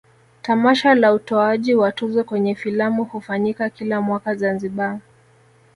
tamasha la utoaji wa tuzo kwenye filamu hufanyika kila mwaka zanzibar